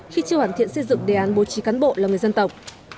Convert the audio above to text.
khi chưa hoàn thiện xây dựng đề án bố trí cán bộ là người dân tộc